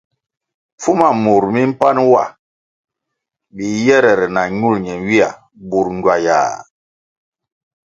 Pfuma mur mi mpan wa biyere na ñul ñenywia bur ngywayah.